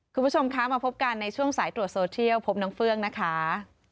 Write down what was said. คุณผู้ชมคะมาพบกันในช่วงสายตรวจโซเทียลพบน้องเฟื่องนะคะ